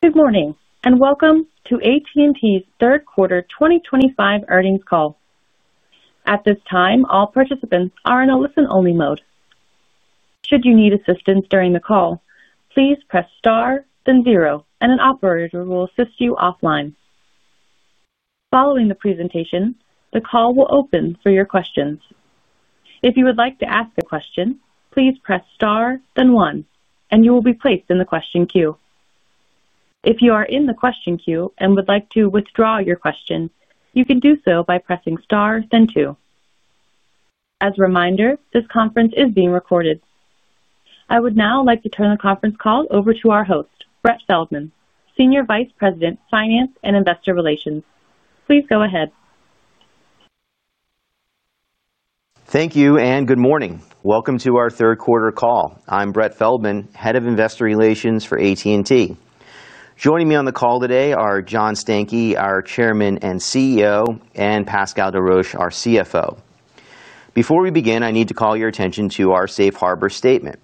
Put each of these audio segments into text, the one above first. Good morning and welcome to AT&T's third quarter 2025 earnings call. At this time, all participants are in a listen-only mode. Should you need assistance during the call, please press star, then zero, and an operator will assist you offline. Following the presentation, the call will open for your questions. If you would like to ask a question, please press star, then one, and you will be placed in the question queue. If you are in the question queue and would like to withdraw your question, you can do so by pressing star, then two. As a reminder, this conference is being recorded. I would now like to turn the conference call over to our host, Brett Feldman, Senior Vice President, Finance and Investor Relations. Please go ahead. Thank you and good morning. Welcome to our third quarter call. I'm Brett Feldman, Head of Investor Relations for AT&T. Joining me on the call today are John Stankey, our Chairman and CEO, and Pascal Desroches, our CFO. Before we begin, I need to call your attention to our Safe Harbor statement.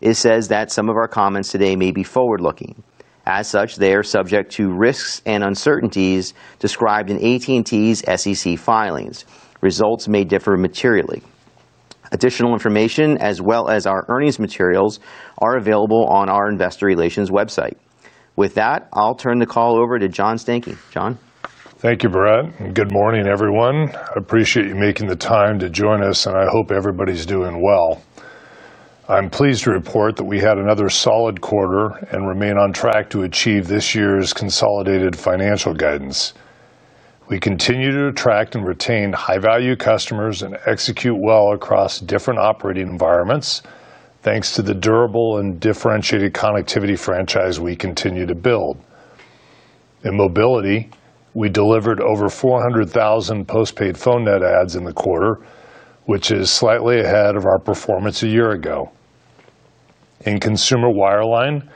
It says that some of our comments today may be forward-looking. As such, they are subject to risks and uncertainties described in AT&T's SEC filings. Results may differ materially. Additional information, as well as our earnings materials, are available on our Investor Relations website. With that, I'll turn the call over to John Stankey. John? Thank you, Brett. Good morning, everyone. I appreciate you making the time to join us, and I hope everybody's doing well. I'm pleased to report that we had another solid quarter and remain on track to achieve this year's consolidated financial guidance. We continue to attract and retain high-value customers and execute well across different operating environments, thanks to the durable and differentiated connectivity franchise we continue to build. In mobility, we delivered over 400,000 postpaid phone net adds in the quarter, which is slightly ahead of our performance a year ago. In consumer wireline,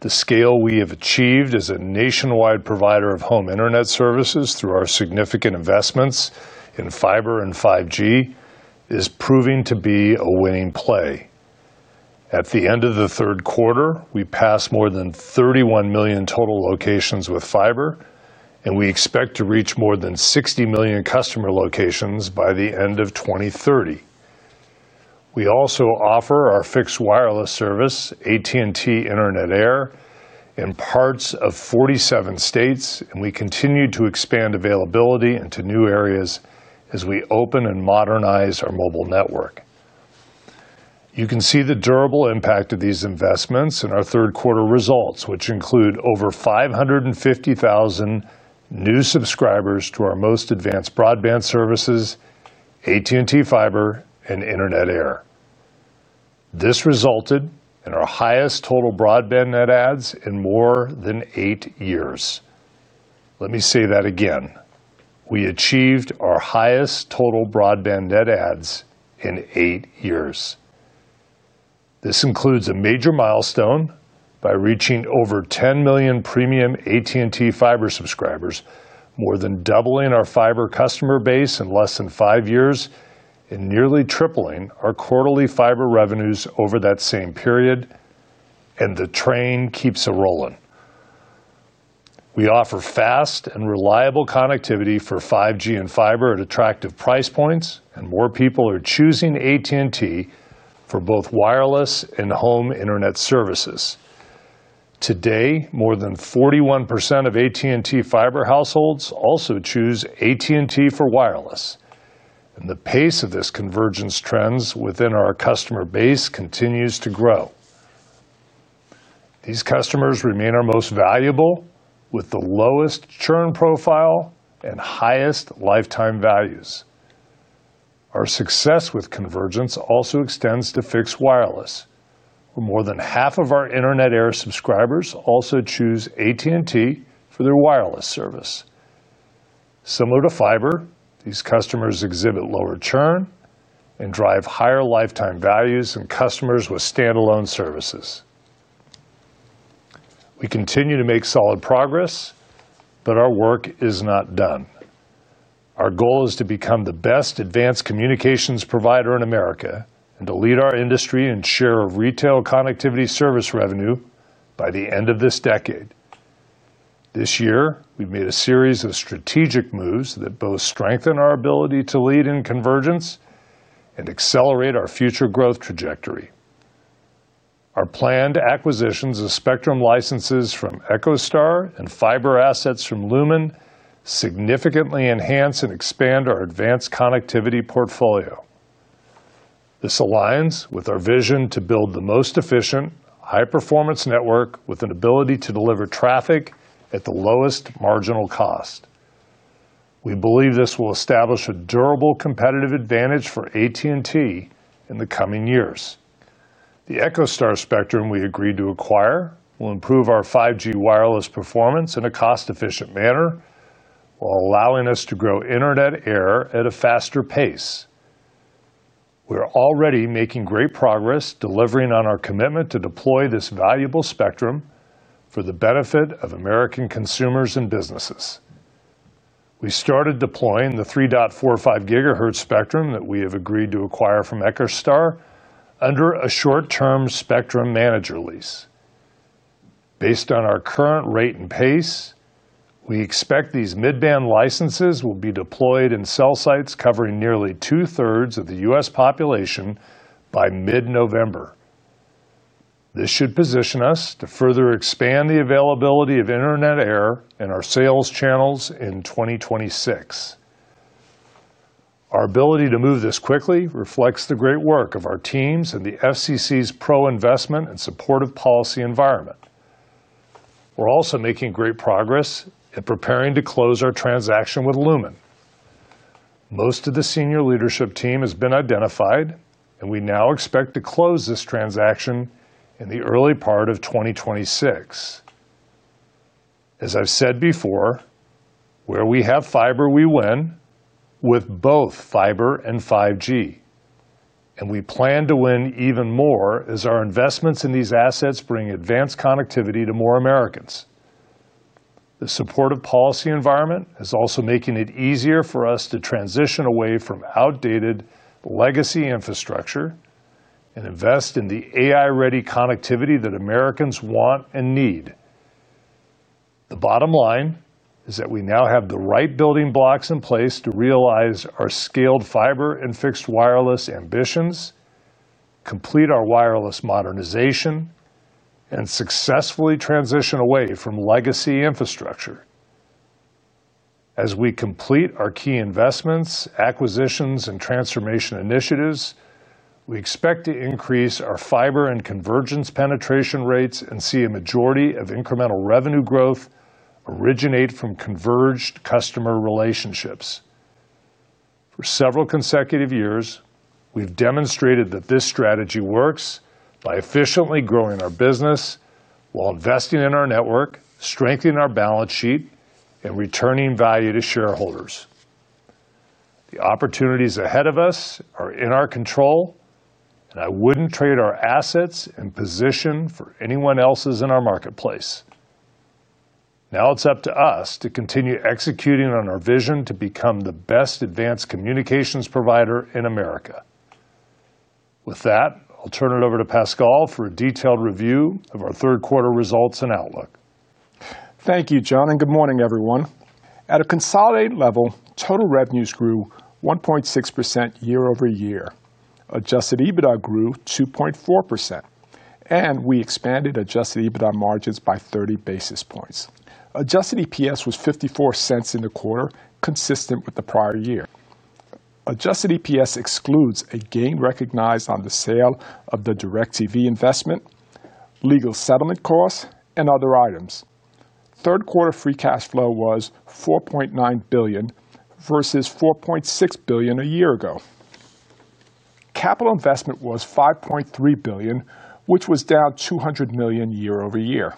the scale we have achieved as a nationwide provider of home internet services through our significant investments in fiber and 5G is proving to be a winning play. At the end of the third quarter, we passed more than 31 million total locations with fiber, and we expect to reach more than 60 million customer locations by the end of 2030. We also offer our fixed wireless service, AT&T Internet Air, in parts of 47 states, and we continue to expand availability into new areas as we open and modernize our mobile network. You can see the durable impact of these investments in our third quarter results, which include over 550,000 new subscribers to our most advanced broadband services, AT&T Fiber and Internet Air. This resulted in our highest total broadband net adds in more than eight years. Let me say that again. We achieved our highest total broadband net adds in eight years. This includes a major milestone by reaching over 10 million premium AT&T Fiber subscribers, more than doubling our fiber customer base in less than five years, and nearly tripling our quarterly fiber revenues over that same period, and the train keeps a-rolling. We offer fast and reliable connectivity for 5G and fiber at attractive price points, and more people are choosing AT&T for both wireless and home internet services. Today, more than 41% of AT&T Fiber households also choose AT&T for wireless, and the pace of this convergence trends within our customer base continues to grow. These customers remain our most valuable, with the lowest churn profile and highest lifetime values. Our success with convergence also extends to fixed wireless, where more than half of our AT&T Internet Air subscribers also choose AT&T for their wireless service. Similar to fiber, these customers exhibit lower churn and drive higher lifetime values than customers with standalone services. We continue to make solid progress, but our work is not done. Our goal is to become the best advanced communications provider in America and to lead our industry in share of retail connectivity service revenue by the end of this decade. This year, we've made a series of strategic moves that both strengthen our ability to lead in convergence and accelerate our future growth trajectory. Our planned acquisitions of spectrum licenses from EchoStar and fiber assets from Lumen significantly enhance and expand our advanced connectivity portfolio. This aligns with our vision to build the most efficient, high-performance network with an ability to deliver traffic at the lowest marginal cost. We believe this will establish a durable competitive advantage for AT&T in the coming years. The EchoStar spectrum we agreed to acquire will improve our 5G wireless performance in a cost-efficient manner, while allowing us to grow Internet Air at a faster pace. We're already making great progress delivering on our commitment to deploy this valuable spectrum for the benefit of American consumers and businesses. We started deploying the 3.45 GHz spectrum that we have agreed to acquire from EchoStar under a short-term spectrum manager lease. Based on our current rate and pace, we expect these mid-band licenses will be deployed in cell sites covering nearly two-thirds of the U.S. population by mid-November. This should position us to further expand the availability of Internet Air in our sales channels in 2026. Our ability to move this quickly reflects the great work of our teams and the FCC's pro-investment and supportive policy environment. We're also making great progress at preparing to close our transaction with Lumen. Most of the Senior Leadership Team has been identified, and we now expect to close this transaction in the early part of 2026. As I've said before, where we have fiber, we win, with both fiber and 5G, and we plan to win even more as our investments in these assets bring advanced connectivity to more Americans. The supportive policy environment is also making it easier for us to transition away from outdated legacy copper infrastructure and invest in the AI-ready connectivity that Americans want and need. The bottom line is that we now have the right building blocks in place to realize our scaled fiber and fixed wireless ambitions, complete our wireless modernization, and successfully transition away from legacy copper infrastructure. As we complete our key investments, acquisitions, and transformation initiatives, we expect to increase our fiber and convergence penetration rates and see a majority of incremental revenue growth originate from converged customer relationships. For several consecutive years, we've demonstrated that this strategy works by efficiently growing our business while investing in our network, strengthening our balance sheet, and returning value to shareholders. The opportunities ahead of us are in our control, and I wouldn't trade our assets and position for anyone else's in our marketplace. Now it's up to us to continue executing on our vision to become the best advanced communications provider in America. With that, I'll turn it over to Pascal for a detailed review of our third quarter results and outlook. Thank you, John, and good morning, everyone. At a consolidated level, total revenues grew 1.6% year over year. Adjusted EBITDA grew 2.4%, and we expanded adjusted EBITDA margins by 30 basis points. Adjusted EPS was $0.54 in the quarter, consistent with the prior year. Adjusted EPS excludes a gain recognized on the sale of the DIRECTV investment, legal settlement costs, and other items. Third quarter free cash flow was $4.9 billion versus $4.6 billion a year ago. Capital investment was $5.3 billion, which was down $200 million year over year.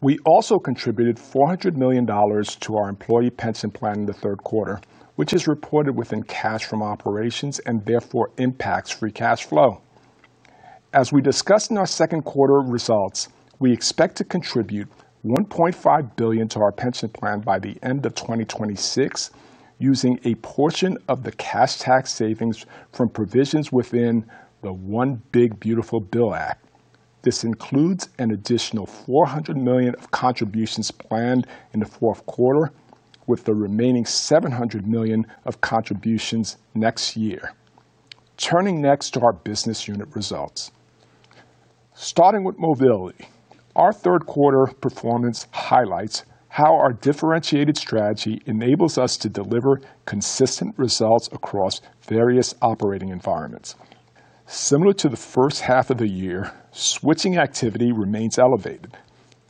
We also contributed $400 million to our employee pension plan in the third quarter, which is reported within cash from operations and therefore impacts free cash flow. As we discussed in our second quarter results, we expect to contribute $1.5 billion to our pension plan by the end of 2026 using a portion of the cash tax savings from provisions within the One Big Beautiful Bill Act. This includes an additional $400 million of contributions planned in the fourth quarter, with the remaining $700 million of contributions next year. Turning next to our business unit results. Starting with mobility, our third quarter performance highlights how our differentiated strategy enables us to deliver consistent results across various operating environments. Similar to the first half of the year, switching activity remains elevated.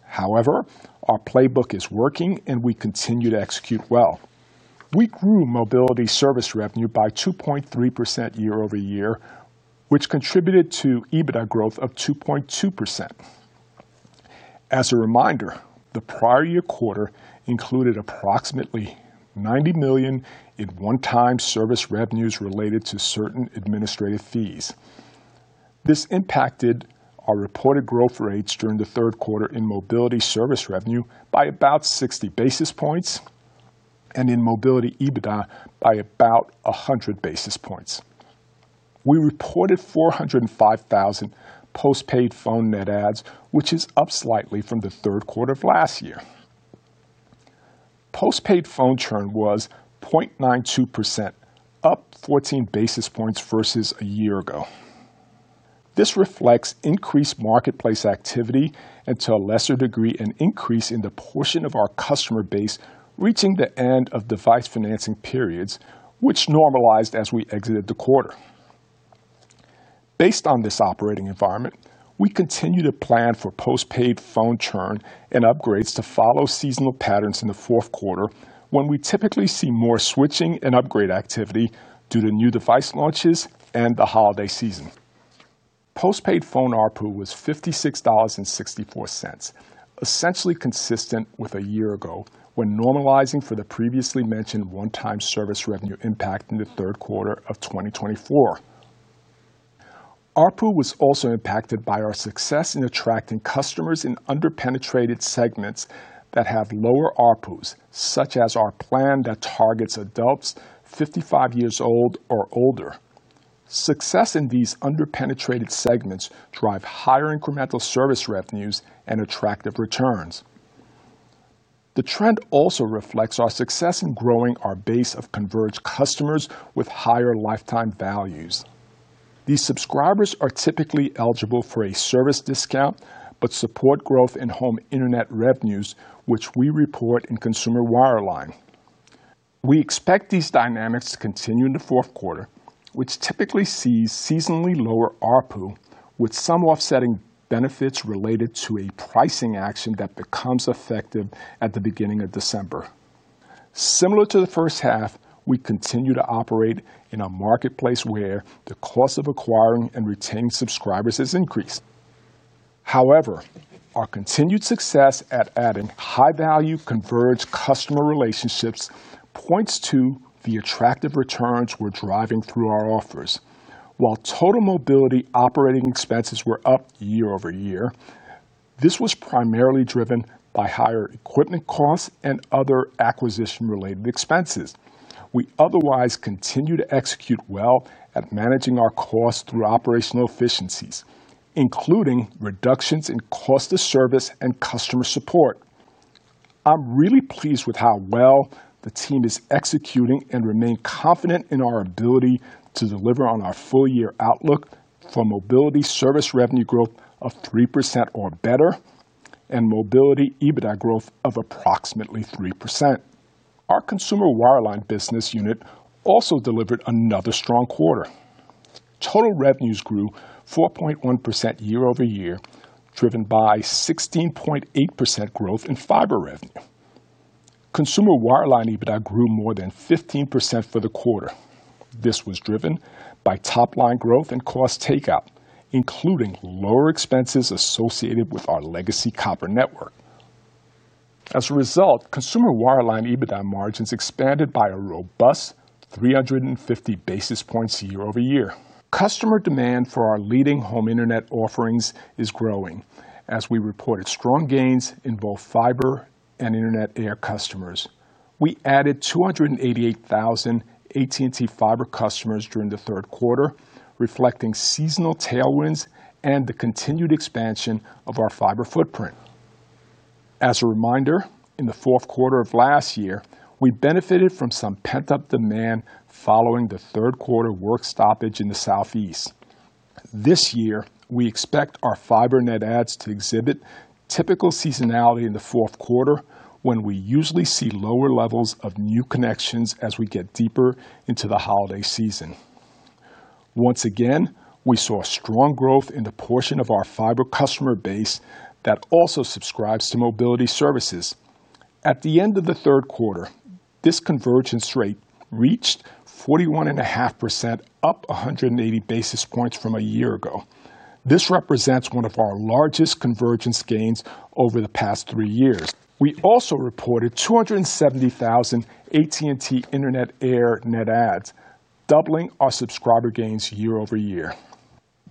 However, our playbook is working, and we continue to execute well. We grew mobility service revenue by 2.3% year over year, which contributed to EBITDA growth of 2.2%. As a reminder, the prior year quarter included approximately $90 million in one-time service revenues related to certain administrative fees. This impacted our reported growth rates during the third quarter in mobility service revenue by about 60 basis points and in mobility EBITDA by about 100 basis points. We reported 405,000 postpaid phone net adds, which is up slightly from the third quarter of last year. Postpaid phone churn was 0.92%, up 14 basis points versus a year ago. This reflects increased marketplace activity and, to a lesser degree, an increase in the portion of our customer base reaching the end of device financing periods, which normalized as we exited the quarter. Based on this operating environment, we continue to plan for postpaid phone churn and upgrades to follow seasonal patterns in the fourth quarter, when we typically see more switching and upgrade activity due to new device launches and the holiday season. Postpaid phone ARPU was $56.64, essentially consistent with a year ago when normalizing for the previously mentioned one-time service revenue impact in the third quarter of 2024. ARPU was also impacted by our success in attracting customers in underpenetrated segments that have lower ARPUs, such as our plan that targets adults 55 years old or older. Success in these underpenetrated segments drives higher incremental service revenues and attractive returns. The trend also reflects our success in growing our base of converged customers with higher lifetime values. These subscribers are typically eligible for a service discount, but support growth in home internet revenues, which we report in consumer wireline. We expect these dynamics to continue in the fourth quarter, which typically sees seasonally lower ARPU, with some offsetting benefits related to a pricing action that becomes effective at the beginning of December. Similar to the first half, we continue to operate in a marketplace where the cost of acquiring and retaining subscribers has increased. However, our continued success at adding high-value converged customer relationships points to the attractive returns we're driving through our offers. While total mobility operating expenses were up year over year, this was primarily driven by higher equipment costs and other acquisition-related expenses. We otherwise continue to execute well at managing our costs through operational efficiencies, including reductions in cost of service and customer support. I'm really pleased with how well the team is executing and remain confident in our ability to deliver on our full-year outlook for mobility service revenue growth of 3% or better and mobility EBITDA growth of approximately 3%. Our consumer wireline business unit also delivered another strong quarter. Total revenues grew 4.1% year over year, driven by 16.8% growth in fiber revenue. Consumer wireline EBITDA grew more than 15% for the quarter. This was driven by top-line growth and cost takeout, including lower expenses associated with our legacy copper network. As a result, consumer wireline EBITDA margins expanded by a robust 350 basis points year over year. Customer demand for our leading home internet offerings is growing, as we reported strong gains in both fiber and Internet Air customers. We added 288,000 AT&T Fiber customers during the third quarter, reflecting seasonal tailwinds and the continued expansion of our fiber footprint. As a reminder, in the fourth quarter of last year, we benefited from some pent-up demand following the third quarter work stoppage in the Southeast. This year, we expect our fiber net adds to exhibit typical seasonality in the fourth quarter, when we usually see lower levels of new connections as we get deeper into the holiday season. Once again, we saw strong growth in the portion of our fiber customer base that also subscribes to mobility services. At the end of the third quarter, this convergence rate reached 41.5%, up 180 basis points from a year ago. This represents one of our largest convergence gains over the past three years. We also reported 270,000 AT&T Internet Air net adds, doubling our subscriber gains year over year.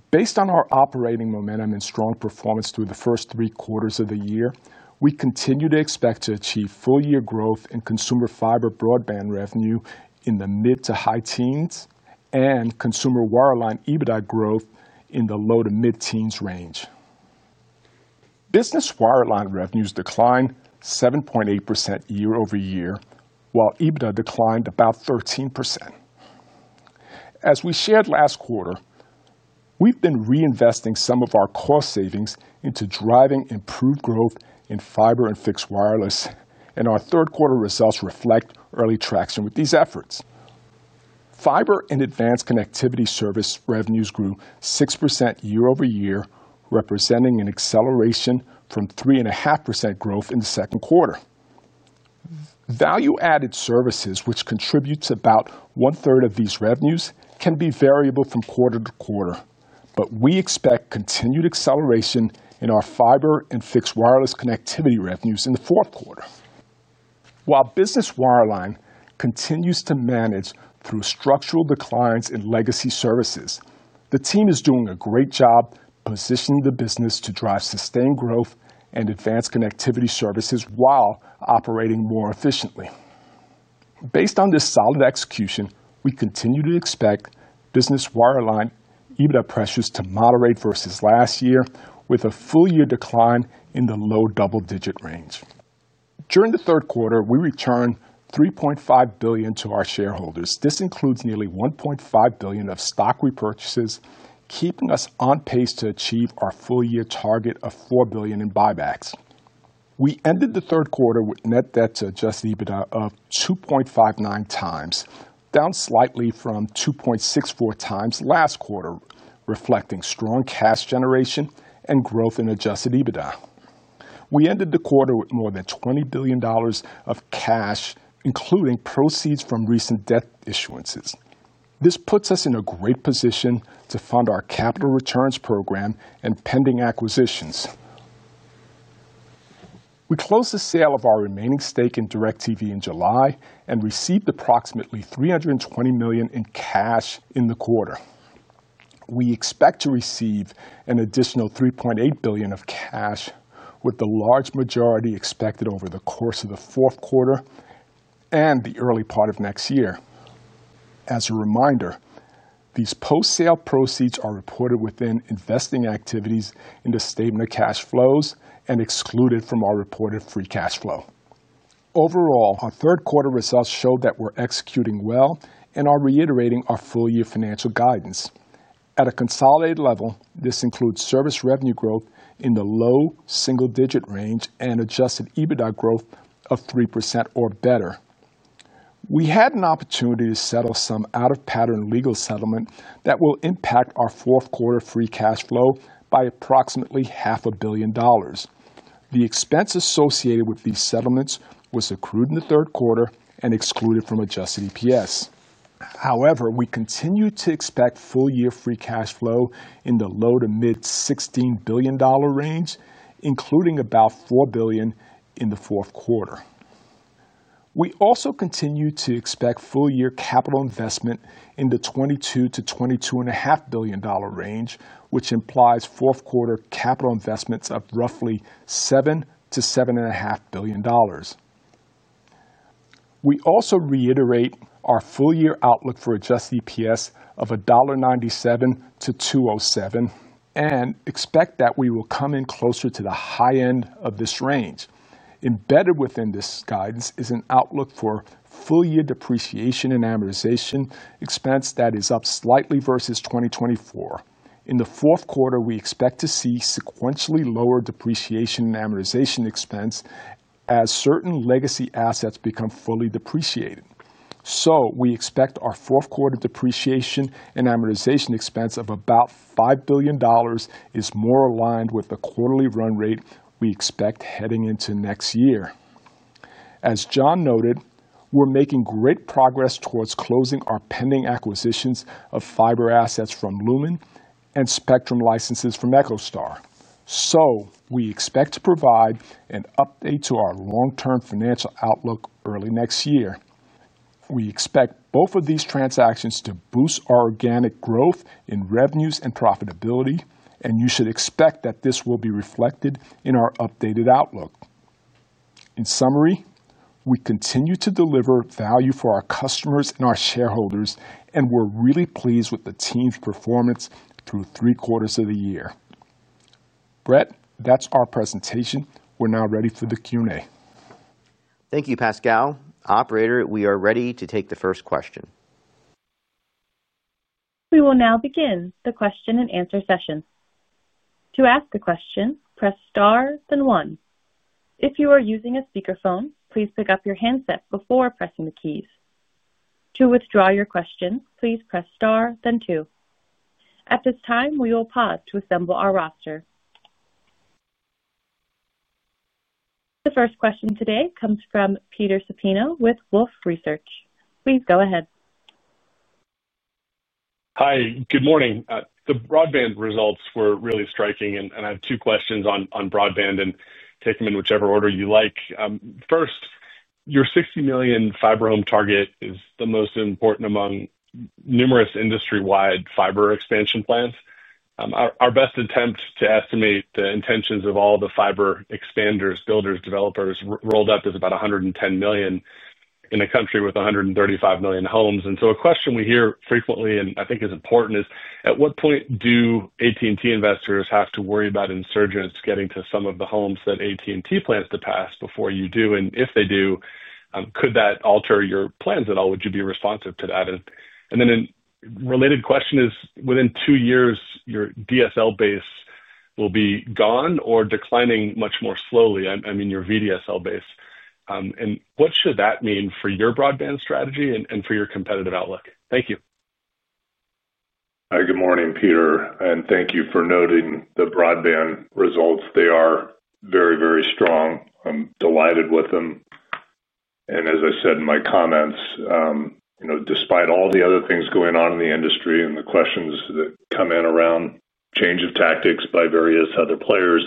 Based on our operating momentum and strong performance through the first three quarters of the year, we continue to expect to achieve full-year growth in consumer fiber broadband revenue in the mid to high teens and consumer wireline EBITDA growth in the low to mid-teens range. Business wireline revenues declined 7.8% year over year, while EBITDA declined about 13%. As we shared last quarter, we've been reinvesting some of our cost savings into driving improved growth in fiber and fixed wireless, and our third quarter results reflect early traction with these efforts. Fiber and advanced connectivity service revenues grew 6% year over year, representing an acceleration from 3.5% growth in the second quarter. Value-added services, which contribute to about one-third of these revenues, can be variable from quarter to quarter, but we expect continued acceleration in our fiber and fixed wireless connectivity revenues in the fourth quarter. While business wireline continues to manage through structural declines in legacy services, the team is doing a great job positioning the business to drive sustained growth and advanced connectivity services while operating more efficiently. Based on this solid execution, we continue to expect business wireline EBITDA pressures to moderate versus last year, with a full-year decline in the low double-digit range. During the third quarter, we returned $3.5 billion to our shareholders. This includes nearly $1.5 billion of stock repurchases, keeping us on pace to achieve our full-year target of $4 billion in buybacks. We ended the third quarter with net debt to adjusted EBITDA of 2.59x, down slightly from 2.64x last quarter, reflecting strong cash generation and growth in adjusted EBITDA. We ended the quarter with more than $20 billion of cash, including proceeds from recent debt issuances. This puts us in a great position to fund our capital returns program and pending acquisitions. We closed the sale of our remaining stake in DIRECTV in July and received approximately $320 million in cash in the quarter. We expect to receive an additional $3.8 billion of cash, with the large majority expected over the course of the fourth quarter and the early part of next year. As a reminder, these post-sale proceeds are reported within investing activities in the statement of cash flows and excluded from our reported free cash flow. Overall, our third quarter results show that we're executing well and are reiterating our full-year financial guidance. At a consolidated level, this includes service revenue growth in the low single-digit range and adjusted EBITDA growth of 3% or better. We had an opportunity to settle some out-of-pattern legal settlement that will impact our fourth quarter free cash flow by approximately $0.5 billion. The expense associated with these settlements was accrued in the third quarter and excluded from adjusted EPS. However, we continue to expect full-year free cash flow in the low to mid-$16 billion range, including about $4 billion in the fourth quarter. We also continue to expect full-year capital investment in the $22 billion-$22.5 billion range, which implies fourth quarter capital investments of roughly $7 billion-$7.5 billion. We also reiterate our full-year outlook for adjusted EPS of $1.97-$2.07 and expect that we will come in closer to the high end of this range. Embedded within this guidance is an outlook for full-year depreciation and amortization expense that is up slightly versus 2024. In the fourth quarter, we expect to see sequentially lower depreciation and amortization expense as certain legacy assets become fully depreciated. We expect our fourth quarter depreciation and amortization expense of about $5 billion is more aligned with the quarterly run rate we expect heading into next year. As John noted, we're making great progress towards closing our pending acquisitions of fiber assets from Lumen and spectrum licenses from EchoStar. We expect to provide an update to our long-term financial outlook early next year. We expect both of these transactions to boost our organic growth in revenues and profitability, and you should expect that this will be reflected in our updated outlook. In summary, we continue to deliver value for our customers and our shareholders, and we're really pleased with the team's performance through three quarters of the year. Brett, that's our presentation. We're now ready for the Q&A. Thank you, Pascal. Operator, we are ready to take the first question. We will now begin the question and answer session. To ask a question, press star, then one. If you are using a speakerphone, please pick up your handset before pressing the keys. To withdraw your question, please press star, then two. At this time, we will pause to assemble our roster. The first question today comes from Peter Supino with Wolfe Research. Please go ahead. Hi, good morning. The broadband results were really striking, and I have two questions on broadband, and take them in whichever order you like. First, your 60 million fiber home target is the most important among numerous industry-wide fiber expansion plans. Our best attempt to estimate the intentions of all the fiber expanders, builders, developers rolled up is about 110 million in a country with 135 million homes. A question we hear frequently and I think is important is, at what point do AT&T investors have to worry about insurgents getting to some of the homes that AT&T plans to pass before you do? If they do, could that alter your plans at all? Would you be responsive to that? A related question is, within two years, your DSL base will be gone or declining much more slowly? I mean, your VDSL base. What should that mean for your broadband strategy and for your competitive outlook? Thank you. Hi, good morning, Peter, and thank you for noting the broadband results. They are very, very strong. I'm delighted with them. As I said in my comments, you know, despite all the other things going on in the industry and the questions that come in around change of tactics by various other players,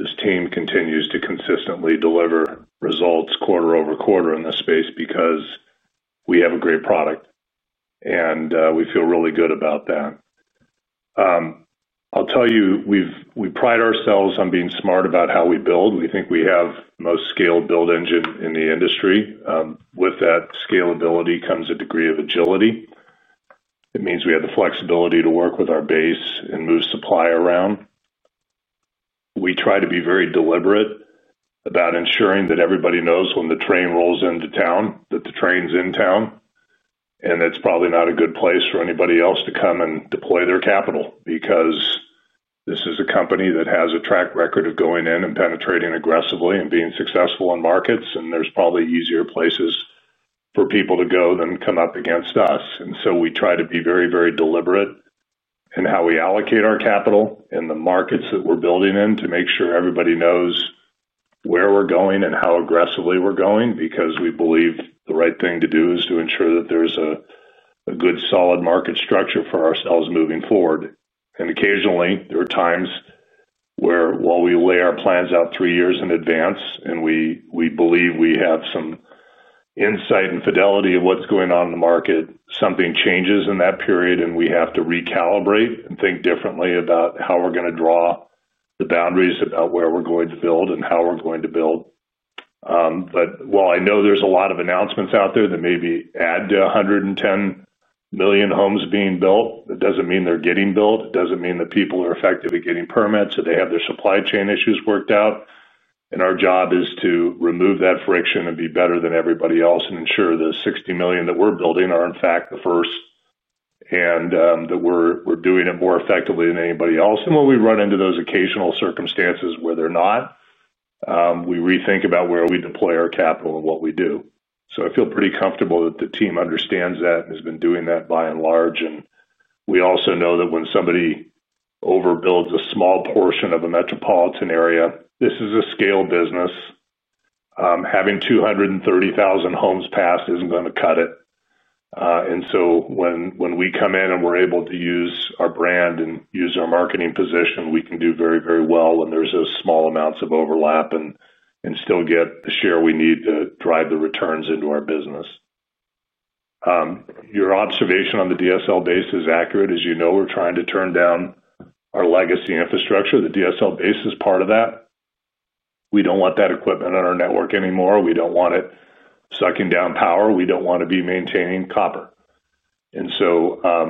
this team continues to consistently deliver results quarter over quarter in this space because we have a great product. We feel really good about that. I'll tell you, we pride ourselves on being smart about how we build. We think we have the most scaled build engine in the industry. With that scalability comes a degree of agility. It means we have the flexibility to work with our base and move supply around. We try to be very deliberate about ensuring that everybody knows when the train rolls into town, that the train's in town, and that's probably not a good place for anybody else to come and deploy their capital because this is a company that has a track record of going in and penetrating aggressively and being successful in markets, and there's probably easier places for people to go than come up against us. We try to be very, very deliberate in how we allocate our capital in the markets that we're building in to make sure everybody knows where we're going and how aggressively we're going because we believe the right thing to do is to ensure that there's a good solid market structure for ourselves moving forward. Occasionally, there are times where, while we lay our plans out three years in advance and we believe we have some insight and fidelity of what's going on in the market, something changes in that period and we have to recalibrate and think differently about how we're going to draw the boundaries about where we're going to build and how we're going to build. While I know there's a lot of announcements out there that maybe add to 110 million homes being built, that doesn't mean they're getting built. It doesn't mean that people are effective at getting permits or they have their supply chain issues worked out. Our job is to remove that friction and be better than everybody else and ensure the 60 million that we're building are, in fact, the first and that we're doing it more effectively than anybody else. When we run into those occasional circumstances where they're not, we rethink about where we deploy our capital and what we do. I feel pretty comfortable that the team understands that and has been doing that by and large. We also know that when somebody overbuilds a small portion of a metropolitan area, this is a scale business. Having 230,000 homes passed isn't going to cut it. When we come in and we're able to use our brand and use our marketing position, we can do very, very well when there's those small amounts of overlap and still get the share we need to drive the returns into our business. Your observation on the DSL base is accurate. As you know, we're trying to turn down our legacy infrastructure. The DSL base is part of that. We don't want that equipment on our network anymore. We don't want it sucking down power. We don't want to be maintaining copper.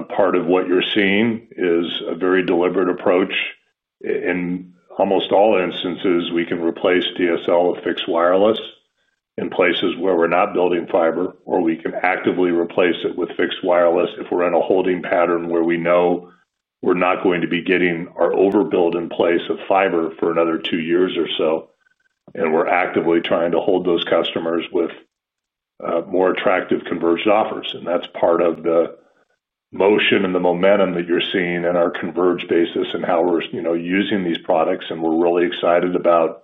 Part of what you're seeing is a very deliberate approach. In almost all instances, we can replace DSL with fixed wireless in places where we're not building fiber, or we can actively replace it with fixed wireless if we're in a holding pattern where we know we're not going to be getting our overbuild in place of fiber for another two years or so. We're actively trying to hold those customers with more attractive converged offers. That's part of the motion and the momentum that you're seeing in our converged basis and how we're using these products. We're really excited about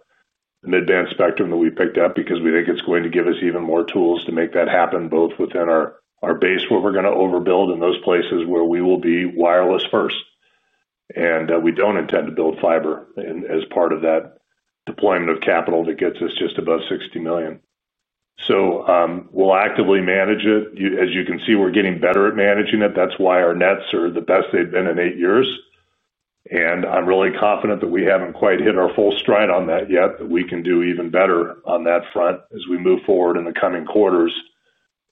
the mid-band spectrum that we picked up because we think it's going to give us even more tools to make that happen both within our base where we're going to overbuild and those places where we will be wireless first. We don't intend to build fiber as part of that deployment of capital that gets us just above 60 million. We'll actively manage it. As you can see, we're getting better at managing it. That's why our nets are the best they've been in eight years. I'm really confident that we haven't quite hit our full stride on that yet, that we can do even better on that front as we move forward in the coming quarters.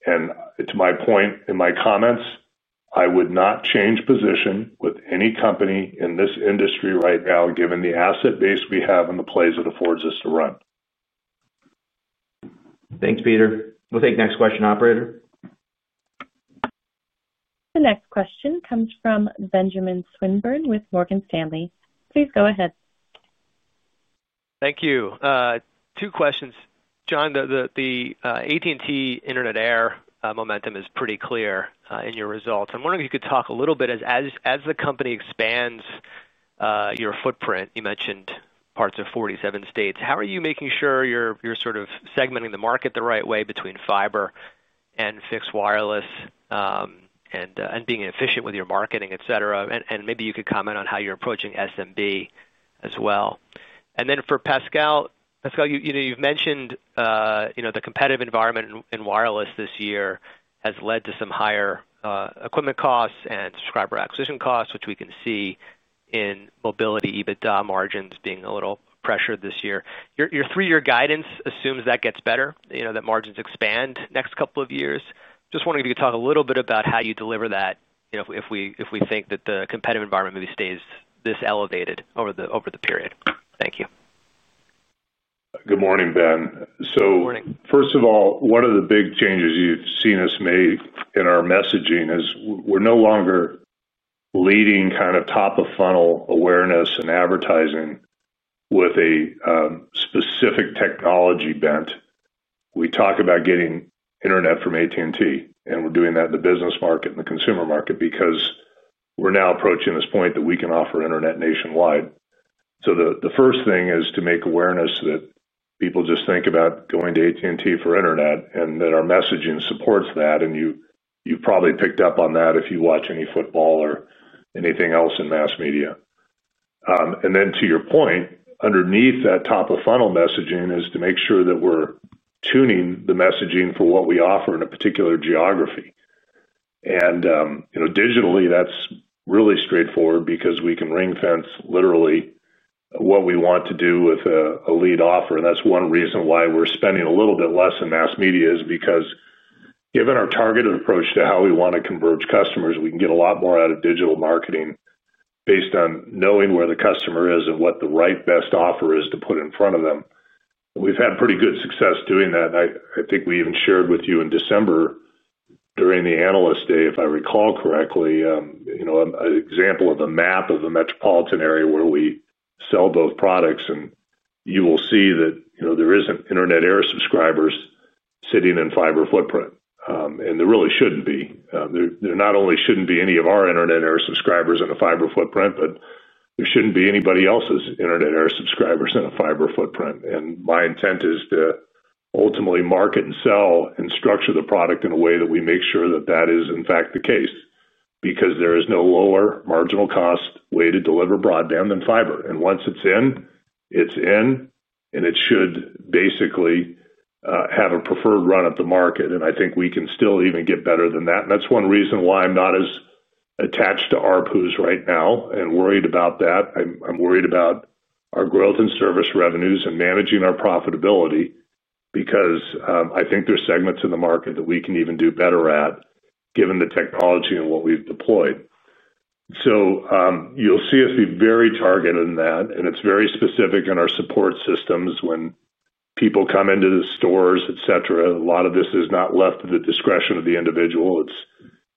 To my point in my comments, I would not change position with any company in this industry right now, given the asset base we have and the plays it affords us to run. Thanks, Peter. We'll take next question, operator. The next question comes from Benjamin Swinburne with Morgan Stanley. Please go ahead. Thank you. Two questions. John, the AT&T Internet Air momentum is pretty clear in your results. I'm wondering if you could talk a little bit, as the company expands your footprint. You mentioned parts of 47 states. How are you making sure you're sort of segmenting the market the right way between fiber and fixed wireless and being efficient with your marketing, et cetera? Maybe you could comment on how you're approaching SMB as well. For Pascal, you've mentioned the competitive environment in wireless this year has led to some higher equipment costs and subscriber acquisition costs, which we can see in mobility EBITDA margins being a little pressured this year. Your three-year guidance assumes that gets better, that margins expand the next couple of years. Just wondering if you could talk a little bit about how you deliver that if we think that the competitive environment maybe stays this elevated over the period. Thank you. Good morning, Ben. Morning. First of all, one of the big changes you've seen us make in our messaging is we're no longer leading top-of-funnel awareness and advertising with a specific technology bent. We talk about getting internet from AT&T, and we're doing that in the business market and the consumer market because we're now approaching this point that we can offer internet nationwide. The first thing is to make awareness that people just think about going to AT&T for internet and that our messaging supports that. You've probably picked up on that if you watch any football or anything else in mass media. To your point, underneath that top-of-funnel messaging is to make sure that we're tuning the messaging for what we offer in a particular geography. Digitally, that's really straightforward because we can ring-fence literally what we want to do with a lead offer. That's one reason why we're spending a little bit less in mass media because given our targeted approach to how we want to converge customers, we can get a lot more out of digital marketing based on knowing where the customer is and what the right best offer is to put in front of them. We've had pretty good success doing that. I think we even shared with you in December during the analyst day, if I recall correctly, an example of a map of a metropolitan area where we sell both products. You will see that there isn't Internet Air subscribers sitting in fiber footprint. There really shouldn't be. There not only shouldn't be any of our Internet Air subscribers in a fiber footprint, but there shouldn't be anybody else's Internet Air subscribers in a fiber footprint. My intent is to ultimately market and sell and structure the product in a way that we make sure that that is, in fact, the case because there is no lower marginal cost way to deliver broadband than fiber. Once it's in, it's in, and it should basically have a preferred run at the market. I think we can still even get better than that. That's one reason why I'm not as attached to ARPUs right now and worried about that. I'm worried about our growth in service revenues and managing our profitability because I think there are segments in the market that we can even do better at given the technology and what we've deployed. You'll see us be very targeted in that, and it's very specific in our support systems when people come into the stores, et cetera. A lot of this is not left to the discretion of the individual.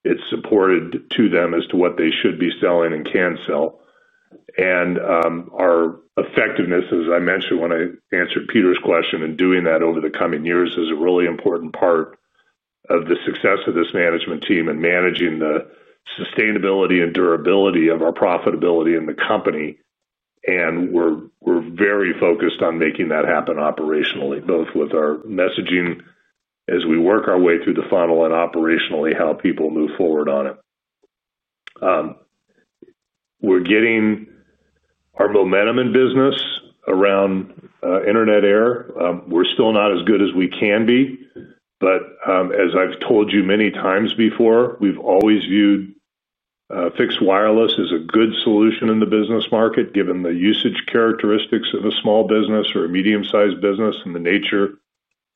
It's supported to them as to what they should be selling and can sell. Our effectiveness, as I mentioned when I answered Peter's question, and doing that over the coming years is a really important part of the success of this management team and managing the sustainability and durability of our profitability in the company. We're very focused on making that happen operationally, both with our messaging as we work our way through the funnel and operationally how people move forward on it. We're getting our momentum in business around Internet Air. We're still not as good as we can be. As I've told you many times before, we've always viewed fixed wireless as a good solution in the business market, given the usage characteristics of a small business or a medium-sized business and the nature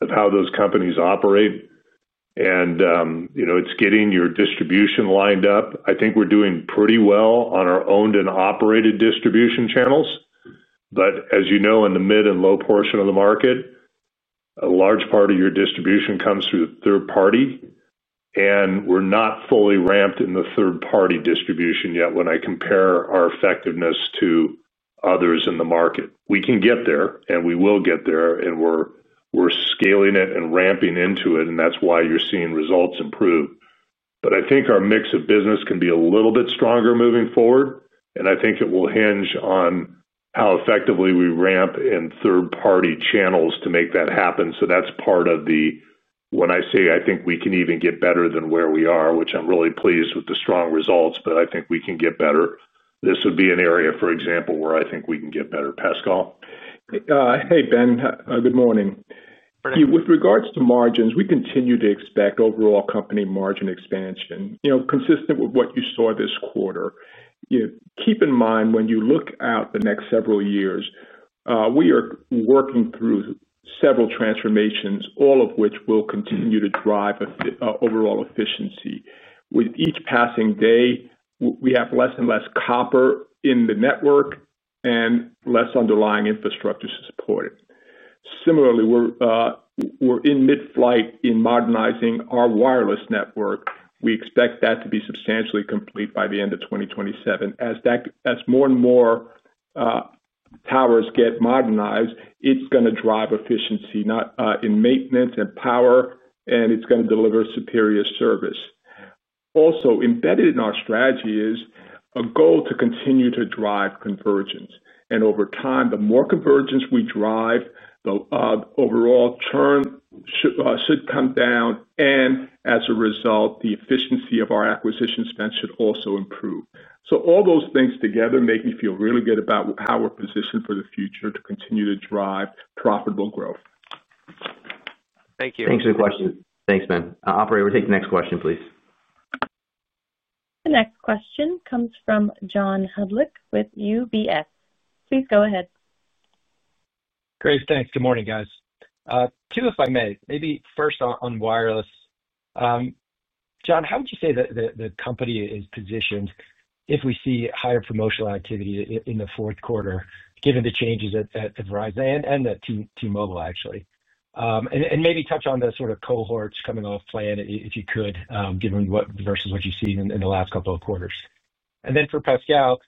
of how those companies operate. You know it's getting your distribution lined up. I think we're doing pretty well on our owned and operated distribution channels. In the mid and low portion of the market, a large part of your distribution comes through third party. We're not fully ramped in the third-party distribution yet when I compare our effectiveness to others in the market. We can get there, and we will get there, and we're scaling it and ramping into it. That's why you're seeing results improve. I think our mix of business can be a little bit stronger moving forward. I think it will hinge on how effectively we ramp in third-party channels to make that happen. That's part of the, when I say I think we can even get better than where we are, which I'm really pleased with the strong results, but I think we can get better. This would be an area, for example, where I think we can get better. Pascal. Hey, Ben. Good morning. With regards to margins, we continue to expect overall company margin expansion, consistent with what you saw this quarter. Keep in mind when you look out the next several years, we are working through several transformations, all of which will continue to drive overall efficiency. With each passing day, we have less and less copper in the network and less underlying infrastructure to support it. Similarly, we're in mid-flight in modernizing our wireless network. We expect that to be substantially complete by the end of 2027. As more and more towers get modernized, it's going to drive efficiency, not in maintenance and power, and it's going to deliver superior service. Also, embedded in our strategy is a goal to continue to drive convergence. Over time, the more convergence we drive, the overall churn should come down. As a result, the efficiency of our acquisition spend should also improve. All those things together make me feel really good about how we're positioned for the future to continue to drive profitable growth. Thank you. Thanks for the question. Thanks, Ben. Operator, we'll take the next question, please. The next question comes from John Hodulik with UBS. Please go ahead. Great. Thanks. Good morning, guys. Two, if I may, maybe first on wireless. John, how would you say that the company is positioned if we see higher promotional activity in the fourth quarter, given the changes at Verizon and at T-Mobile, actually? Maybe touch on the sort of cohorts coming off plan, if you could, given versus what you've seen in the last couple of quarters. For Pascal,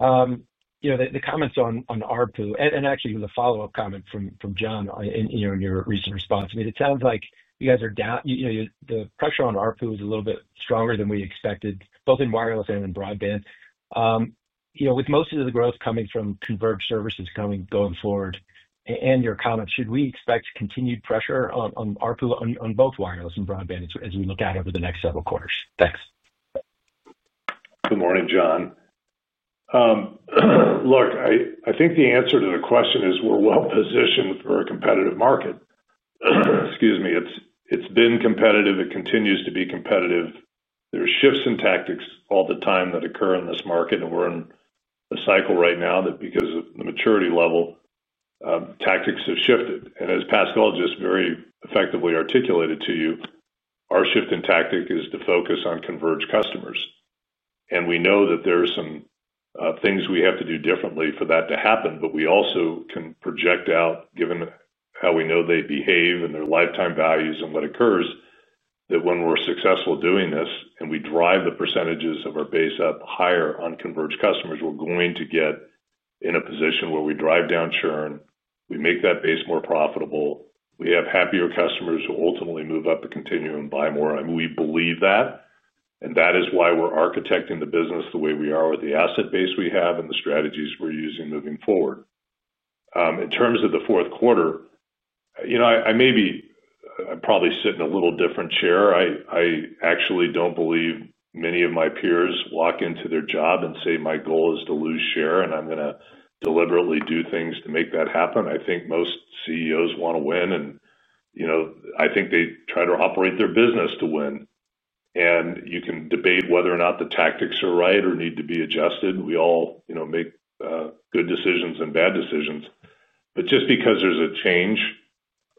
you know, the comments on ARPU, and actually with a follow-up comment from John in your recent response, it sounds like you guys are down. The pressure on ARPU is a little bit stronger than we expected, both in wireless and in broadband. With most of the growth coming from converged services going forward and your comments, should we expect continued pressure on ARPU on both wireless and broadband as we look out over the next several quarters? Thanks. Good morning, John. I think the answer to the question is we're well positioned for a competitive market. Excuse me. It's been competitive. It continues to be competitive. There are shifts in tactics all the time that occur in this market, and we're in a cycle right now that because of the maturity level, tactics have shifted. As Pascal just very effectively articulated to you, our shift in tactic is to focus on converged customers. We know that there are some things we have to do differently for that to happen, but we also can project out, given how we know they behave and their lifetime values and what occurs, that when we're successful doing this and we drive the percentages of our base up higher on converged customers, we're going to get in a position where we drive down churn, we make that base more profitable, we have happier customers who ultimately move up the continuum and buy more. I mean, we believe that. That is why we're architecting the business the way we are with the asset base we have and the strategies we're using moving forward. In terms of the fourth quarter, I may be, I'm probably sitting in a little different chair. I actually don't believe many of my peers walk into their job and say, "My goal is to lose share, and I'm going to deliberately do things to make that happen." I think most CEOs want to win, and I think they try to operate their business to win. You can debate whether or not the tactics are right or need to be adjusted. We all make good decisions and bad decisions. Just because there's a change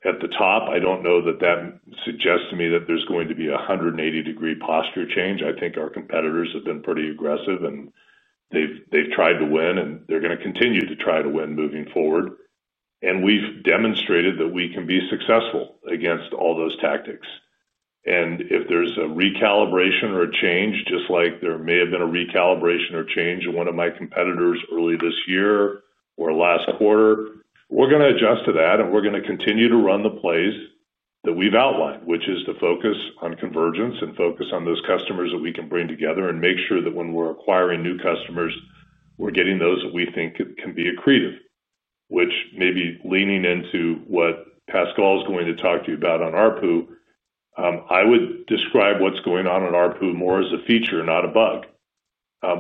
at the top, I don't know that that suggests to me that there's going to be a 180-degree posture change. I think our competitors have been pretty aggressive, and they've tried to win, and they're going to continue to try to win moving forward. We've demonstrated that we can be successful against all those tactics. If there's a recalibration or a change, just like there may have been a recalibration or change in one of my competitors early this year or last quarter, we're going to adjust to that, and we're going to continue to run the plays that we've outlined, which is to focus on convergence and focus on those customers that we can bring together and make sure that when we're acquiring new customers, we're getting those that we think can be accretive, which may be leaning into what Pascal is going to talk to you about on ARPU. I would describe what's going on in ARPU more as a feature, not a bug.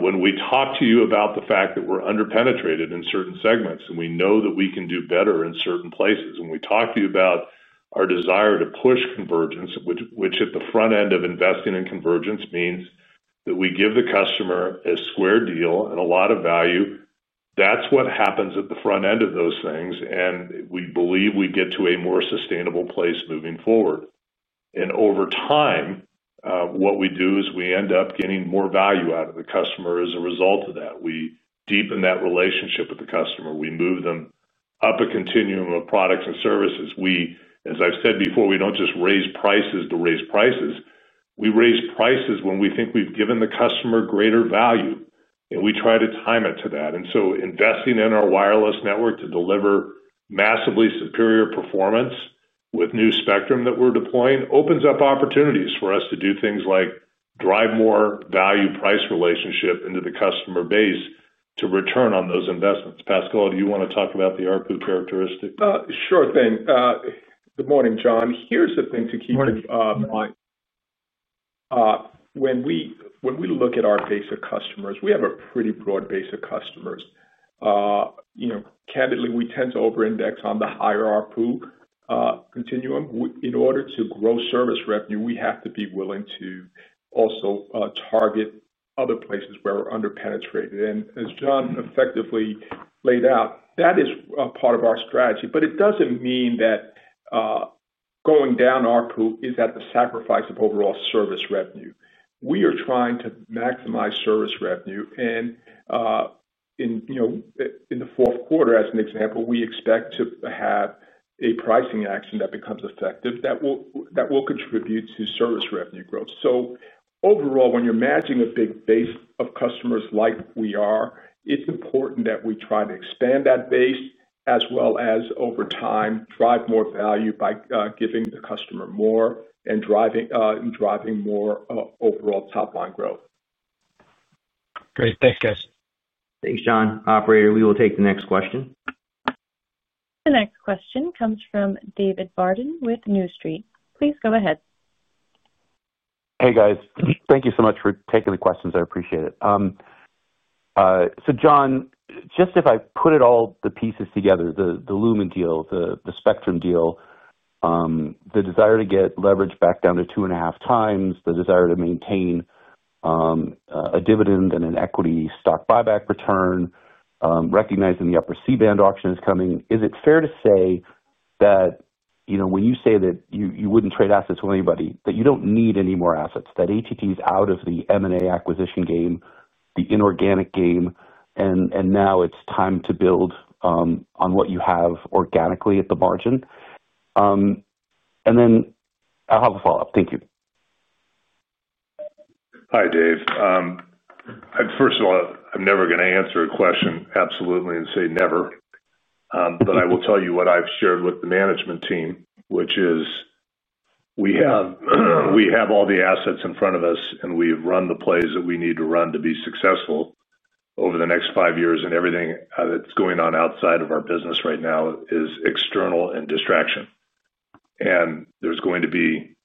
When we talk to you about the fact that we're underpenetrated in certain segments and we know that we can do better in certain places, and we talk to you about our desire to push convergence, which at the front end of investing in convergence means that we give the customer a square deal and a lot of value, that's what happens at the front end of those things, and we believe we get to a more sustainable place moving forward. Over time, what we do is we end up getting more value out of the customer as a result of that. We deepen that relationship with the customer. We move them up a continuum of products and services. As I've said before, we don't just raise prices to raise prices. We raise prices when we think we've given the customer greater value. We try to time it to that. Investing in our wireless network to deliver massively superior performance with new spectrum that we're deploying opens up opportunities for us to do things like drive more value-price relationship into the customer base to return on those investments. Pascal, do you want to talk about the ARPU characteristic? Sure, thing. Good morning, John. Here's the thing to keep in mind. When we look at our base of customers, we have a pretty broad base of customers. Candidly, we tend to over-index on the higher ARPU continuum. In order to grow service revenue, we have to be willing to also target other places where we're underpenetrated. As John effectively laid out, that is part of our strategy. It doesn't mean that going down ARPU is at the sacrifice of overall service revenue. We are trying to maximize service revenue. In the fourth quarter, as an example, we expect to have a pricing action that becomes effective that will contribute to service revenue growth. Overall, when you're managing a big base of customers like we are, it's important that we try to expand that base as well as, over time, drive more value by giving the customer more and driving more overall top-line growth. Great. Thanks, guys. Thanks, John. Operator, we will take the next question. The next question comes from David Barden with New Street. Please go ahead. Hey, guys. Thank you so much for taking the questions. I appreciate it. John, if I put all the pieces together, the Lumen deal, the spectrum deal, the desire to get leverage back down to 2.5x, the desire to maintain a dividend and an equity stock buyback return, recognizing the upper C-band auction is coming, is it fair to say that when you say that you wouldn't trade assets with anybody, that you don't need any more assets, that AT&T is out of the M&A acquisition game, the inorganic game, and now it's time to build on what you have organically at the margin? I have a follow-up. Thank you. Hi, Dave. First of all, I'm never going to answer a question absolutely and say never. I will tell you what I've shared with the management team, which is we have all the assets in front of us, and we've run the plays that we need to run to be successful over the next five years. Everything that's going on outside of our business right now is external and distraction. There's going to be,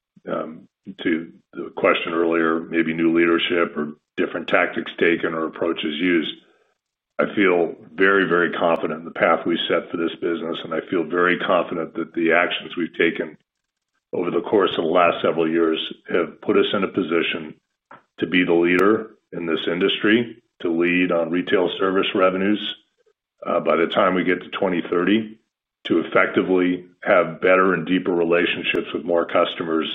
to the question earlier, maybe new leadership or different tactics taken or approaches used. I feel very, very confident in the path we set for this business, and I feel very confident that the actions we've taken over the course of the last several years have put us in a position to be the leader in this industry, to lead on retail service revenues. By the time we get to 2030, to effectively have better and deeper relationships with more customers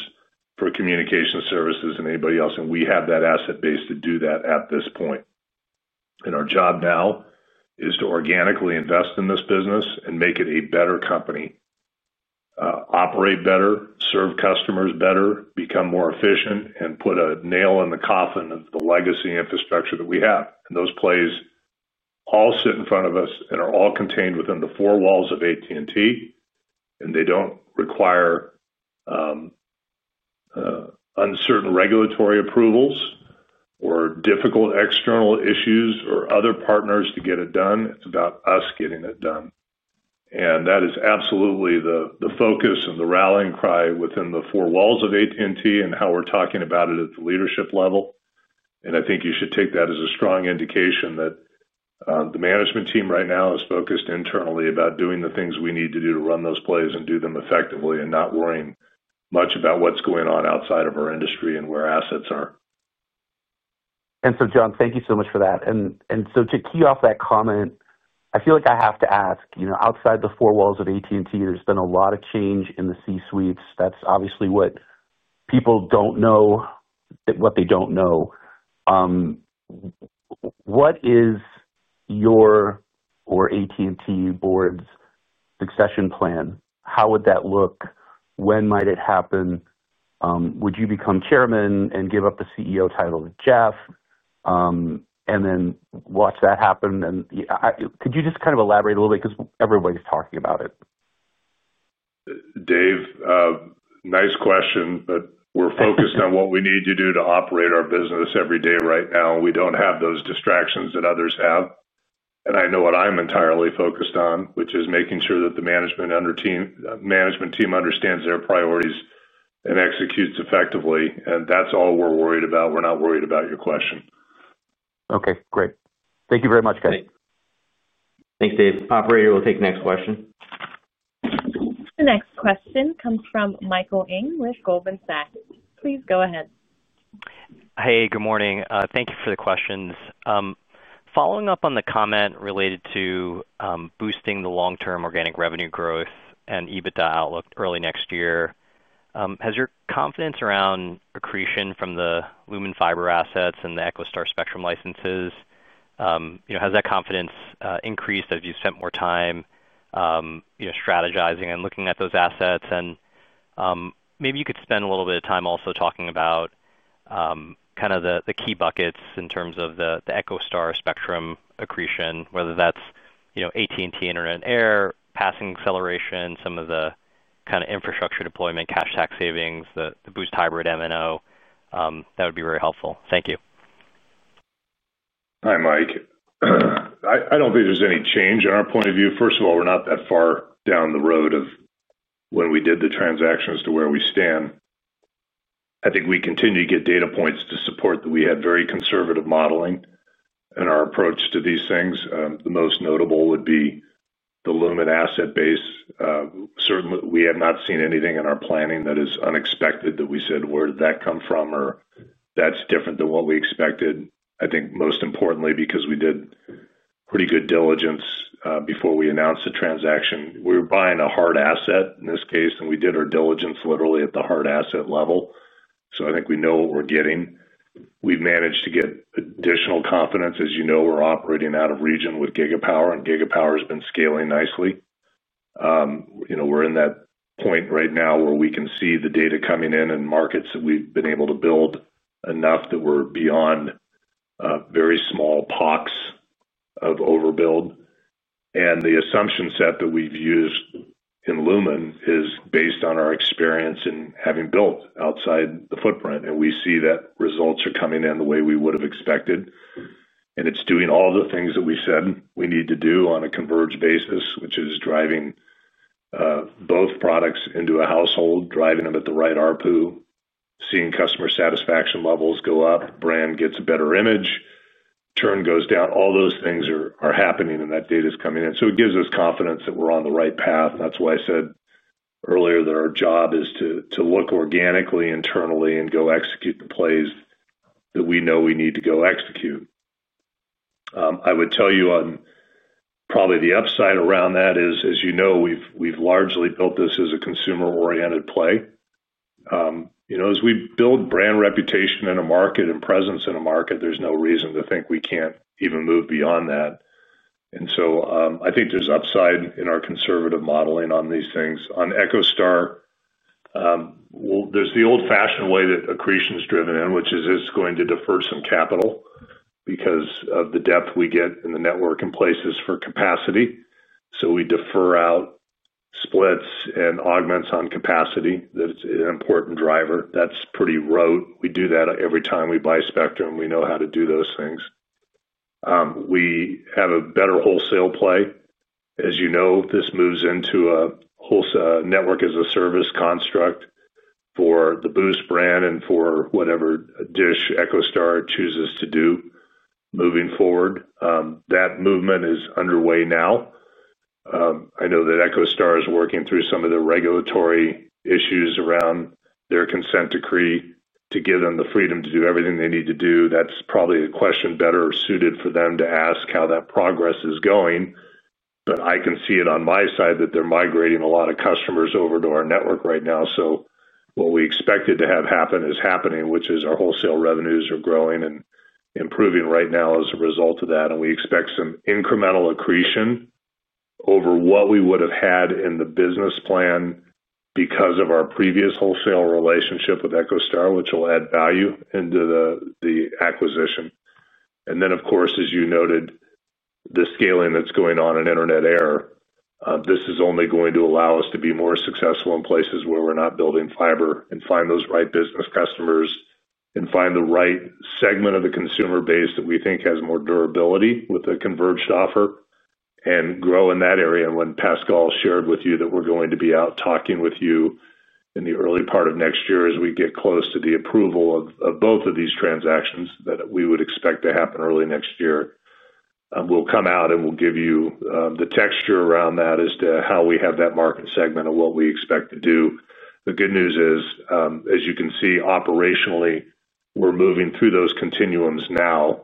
for communication services than anybody else. We have that asset base to do that at this point. Our job now is to organically invest in this business and make it a better company, operate better, serve customers better, become more efficient, and put a nail in the coffin of the legacy infrastructure that we have. Those plays all sit in front of us and are all contained within the four walls of AT&T, and they don't require uncertain regulatory approvals or difficult external issues or other partners to get it done. It's about us getting it done. That is absolutely the focus and the rallying cry within the four walls of AT&T and how we're talking about it at the leadership level. I think you should take that as a strong indication that the management team right now is focused internally about doing the things we need to do to run those plays and do them effectively and not worrying much about what's going on outside of our industry and where assets are. John, thank you so much for that. To key off that comment, I feel like I have to ask, outside the four walls of AT&T, there's been a lot of change in the C-suites. That's obviously what people don't know, what they don't know. What is your or AT&T board's succession plan? How would that look? When might it happen? Would you become Chairman and give up the CEO title to Jeff and then watch that happen? Could you just kind of elaborate a little bit because everybody's talking about it? Dave, nice question, but we're focused on what we need to do to operate our business every day right now. We don't have those distractions that others have. I know what I'm entirely focused on, which is making sure that the management team understands their priorities and executes effectively. That's all we're worried about. We're not worried about your question. Okay. Great. Thank you very much, guys. Thanks, Dave. Operator, we'll take the next question. The next question comes from Michael Ng with Goldman Sachs. Please go ahead. Hey, good morning. Thank you for the questions. Following up on the comment related to boosting the long-term organic revenue growth and EBITDA outlook early next year, has your confidence around accretion from the Lumen fiber assets and the EchoStar spectrum licenses, you know, has that confidence increased as you've spent more time strategizing and looking at those assets? Maybe you could spend a little bit of time also talking about kind of the key buckets in terms of the EchoStar spectrum acquisition, whether that's, you know, AT&T Internet Air, passing acceleration, some of the kind of infrastructure deployment, cash tax savings, the boost hybrid MNO. That would be very helpful. Thank you. Hi, Mike. I don't think there's any change in our point of view. First of all, we're not that far down the road of when we did the transactions to where we stand. I think we continue to get data points to support that we had very conservative modeling in our approach to these things. The most notable would be the Lumen asset base. Certainly, we have not seen anything in our planning that is unexpected that we said, "Where did that come from?" or "That's different than what we expected." I think most importantly, because we did pretty good diligence before we announced the transaction. We were buying a hard asset in this case, and we did our diligence literally at the hard asset level. I think we know what we're getting. We've managed to get additional confidence. As you know, we're operating out of region with Gigapower, and Gigapower has been scaling nicely. We're in that point right now where we can see the data coming in and markets that we've been able to build enough that we're beyond very small pox of overbuild. The assumption set that we've used in Lumen is based on our experience in having built outside the footprint. We see that results are coming in the way we would have expected. It's doing all the things that we said we need to do on a converged basis, which is driving both products into a household, driving them at the right ARPU, seeing customer satisfaction levels go up, brand gets a better image, churn goes down. All those things are happening, and that data is coming in. It gives us confidence that we're on the right path. That's why I said earlier that our job is to look organically internally and go execute the plays that we know we need to go execute. I would tell you on probably the upside around that is, as you know, we've largely built this as a consumer-oriented play. As we build brand reputation in a market and presence in a market, there's no reason to think we can't even move beyond that. I think there's upside in our conservative modeling on these things. On EchoStar, there's the old-fashioned way that accretion is driven in, which is it's going to defer some capital because of the depth we get in the network in places for capacity. We defer out splits and augments on capacity. That's an important driver. That's pretty rote. We do that every time we buy spectrum. We know how to do those things. We have a better wholesale play. As you know, this moves into a network as a service construct for the Boost brand and for whatever EchoStar chooses to do moving forward. That movement is underway now. I know that EchoStar is working through some of the regulatory issues around their consent decree to give them the freedom to do everything they need to do. That's probably a question better suited for them to ask how that progress is going. I can see it on my side that they're migrating a lot of customers over to our network right now. What we expected to have happen is happening, which is our wholesale revenues are growing and improving right now as a result of that. We expect some incremental accretion over what we would have had in the business plan because of our previous wholesale relationship with EchoStar, which will add value into the acquisition. Of course, as you noted, the scaling that's going on in Internet Air, this is only going to allow us to be more successful in places where we're not building fiber and find those right business customers and find the right segment of the consumer base that we think has more durability with a converged offer and grow in that area. When Pascal shared with you that we're going to be out talking with you in the early part of next year as we get close to the approval of both of these transactions that we would expect to happen early next year, we'll come out and we'll give you the texture around that as to how we have that market segment and what we expect to do. The good news is, as you can see, operationally, we're moving through those continuums now,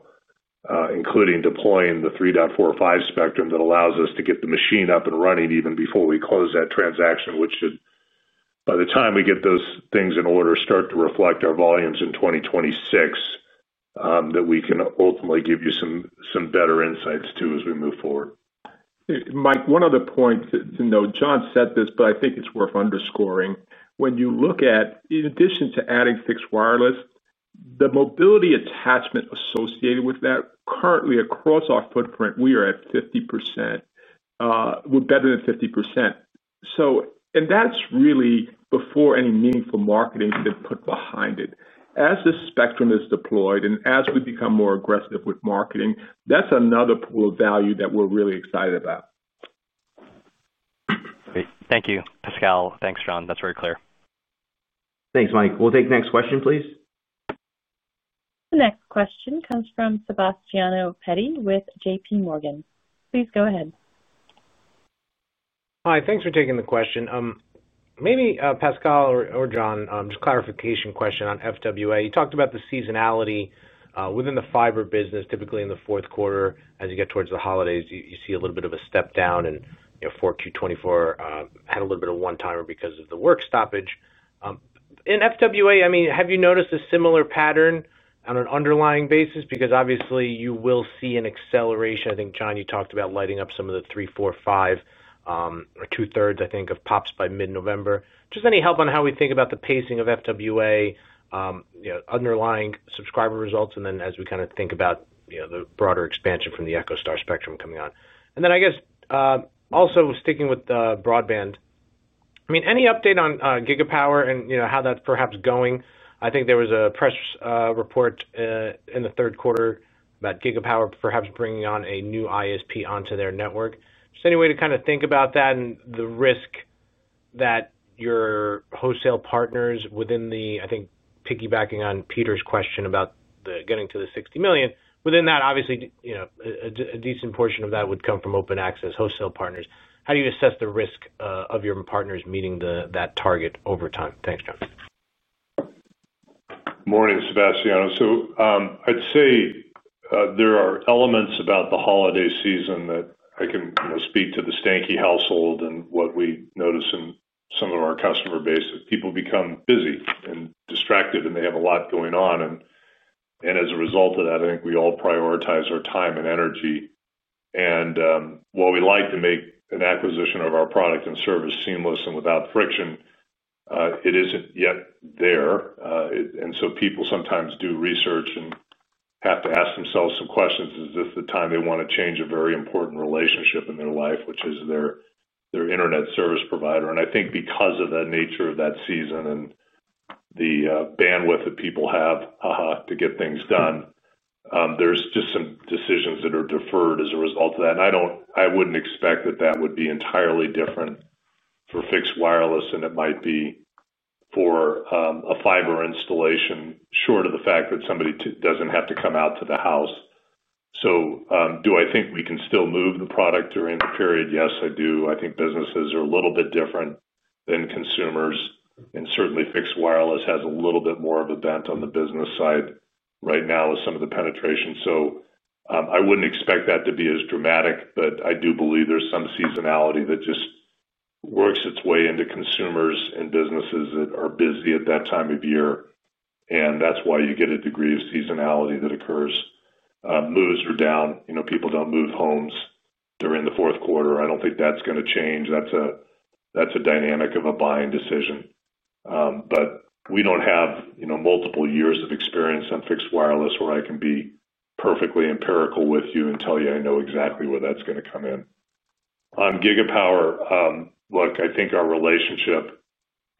including deploying the 3.45 spectrum that allows us to get the machine up and running even before we close that transaction, which should, by the time we get those things in order, start to reflect our volumes in 2026, that we can ultimately give you some better insights to as we move forward. Mike, one other point to note, John said this, but I think it's worth underscoring. When you look at, in addition to adding fixed wireless, the mobility attachment associated with that, currently across our footprint, we are at 50%, we're better than 50%. That is really before any meaningful marketing has been put behind it. As the spectrum is deployed and as we become more aggressive with marketing, that's another pool of value that we're really excited about. Great. Thank you, Pascal. Thanks, John. That's very clear. Thanks, Mike. We'll take the next question, please. The next question comes from Sebastiano Petti with JPMorgan. Please go ahead. Hi, thanks for taking the question. Maybe Pascal or John, just a clarification question on FWA. You talked about the seasonality within the fiber business, typically in the fourth quarter, as you get towards the holidays, you see a little bit of a step down and 4Q24 had a little bit of a one-timer because of the work stoppage. In FWA, have you noticed a similar pattern on an underlying basis? Obviously you will see an acceleration. I think, John, you talked about lighting up some of the three, four, five, or two-thirds, I think, of pops by mid-November. Any help on how we think about the pacing of FWA, underlying subscriber results, and as we kind of think about the broader expansion from the EchoStar spectrum coming on. I guess also sticking with the broadband, any update on Gigapower and how that's perhaps going? I think there was a press report in the third quarter about Gigapower perhaps bringing on a new ISP onto their network. Any way to kind of think about that and the risk that your wholesale partners within the, I think, piggybacking on Peter's question about getting to the 60 million, within that, obviously, you know, a decent portion of that would come from open access wholesale partners. How do you assess the risk of your partners meeting that target over time? Thanks, John. Morning, Sebastiano. I'd say there are elements about the holiday season that I can speak to the Stankey household and what we notice in some of our customer base. People become busy and distracted, and they have a lot going on. As a result of that, I think we all prioritize our time and energy. While we like to make an acquisition of our product and service seamless and without friction, it isn't yet there. People sometimes do research and have to ask themselves some questions. Is this the time they want to change a very important relationship in their life, which is their internet service provider? I think because of that nature of that season and the bandwidth that people have, haha, to get things done, there's just some decisions that are deferred as a result of that. I wouldn't expect that that would be entirely different for fixed wireless, and it might be for a fiber installation, short of the fact that somebody doesn't have to come out to the house. Do I think we can still move the product during the period? Yes, I do. I think businesses are a little bit different than consumers, and certainly fixed wireless has a little bit more of a bent on the business side right now with some of the penetration. I wouldn't expect that to be as dramatic, but I do believe there's some seasonality that just works its way into consumers and businesses that are busy at that time of year. That's why you get a degree of seasonality that occurs. Moves are down. People don't move homes. They're in the fourth quarter. I don't think that's going to change. That's a dynamic of a buying decision. We don't have multiple years of experience on fixed wireless where I can be perfectly empirical with you and tell you I know exactly where that's going to come in. On Gigapower, I think our relationship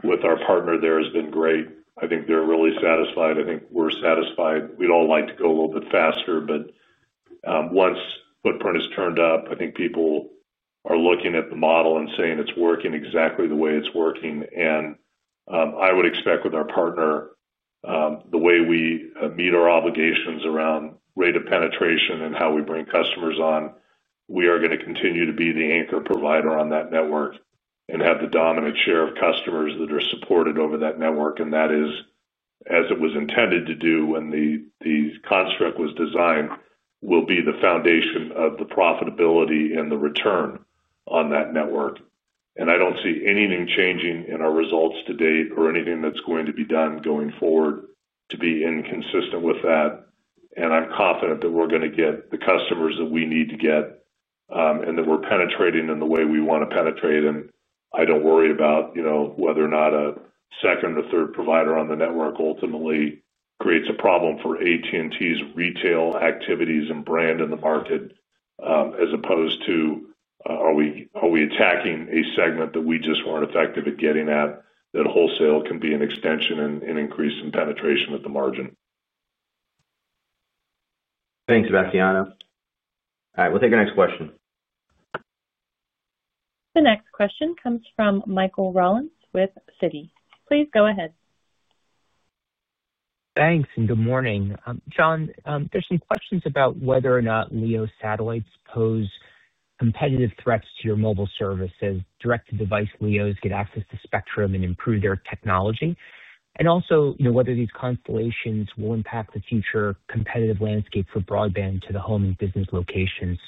with our partner there has been great. I think they're really satisfied. I think we're satisfied. We'd all like to go a little bit faster, but once the footprint is turned up, I think people are looking at the model and saying it's working exactly the way it's working. I would expect with our partner, the way we meet our obligations around rate of penetration and how we bring customers on, we are going to continue to be the anchor provider on that network and have the dominant share of customers that are supported over that network. That is, as it was intended to do when the construct was designed, will be the foundation of the profitability and the return on that network. I don't see anything changing in our results to date or anything that's going to be done going forward to be inconsistent with that. I'm confident that we're going to get the customers that we need to get and that we're penetrating in the way we want to penetrate. I don't worry about, you know, whether or not a second or third provider on the network ultimately creates a problem for AT&T's retail activities and brand in the market, as opposed to are we attacking a segment that we just weren't effective at getting at that wholesale can be an extension and increase in penetration at the margin. Thanks, Sebastiano. All right, we'll take our next question. The next question comes from Michael Rollins with Citi. Please go ahead. Thanks, and good morning. John, there's some questions about whether or not LEO satellites pose competitive threats to your mobile services. Direct-to-device LEOs get access to spectrum and improve their technology. Also, whether these constellations will impact the future competitive landscape for broadband to the home and business locations.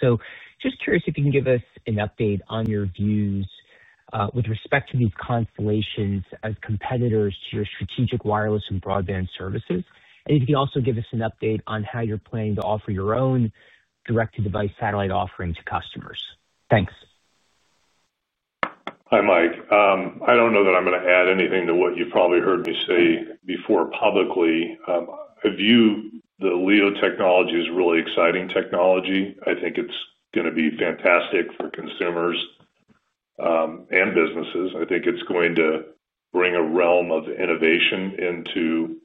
Just curious if you can give us an update on your views with respect to these constellations as competitors to your strategic wireless and broadband services. If you can also give us an update on how you're planning to offer your own direct-to-device satellite offering to customers. Thanks. Hi, Mike. I don't know that I'm going to add anything to what you've probably heard me say before publicly. The LEO technology is a really exciting technology. I think it's going to be fantastic for consumers and businesses. I think it's going to bring a realm of innovation into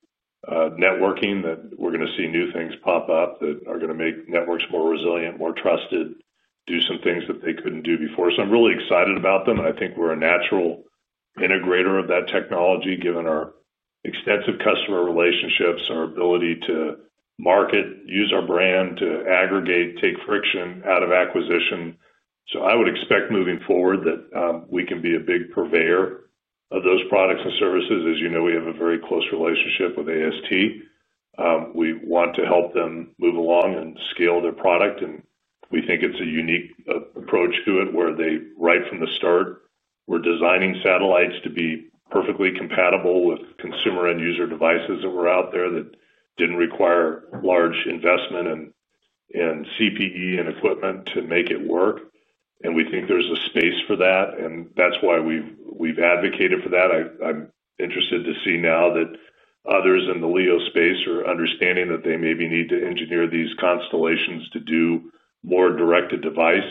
networking that we're going to see new things pop up that are going to make networks more resilient, more trusted, do some things that they couldn't do before. I'm really excited about them. I think we're a natural integrator of that technology, given our extensive customer relationships, our ability to market, use our brand to aggregate, take friction out of acquisition. I would expect moving forward that we can be a big purveyor of those products and services. As you know, we have a very close relationship with AST. We want to help them move along and scale their product. We think it's a unique approach to it where they, right from the start, were designing satellites to be perfectly compatible with consumer and user devices that were out there that didn't require large investment in CPE and equipment to make it work. We think there's a space for that. That's why we've advocated for that. I'm interested to see now that others in the LEO space are understanding that they maybe need to engineer these constellations to do more direct-to-device.